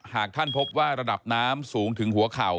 หากท่านพบว่าระดับน้ำสูงถึงหัวเข่า